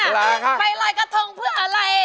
ไปลอยกระทงเพื่ออะไร